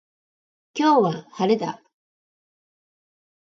今日は、晴れだ。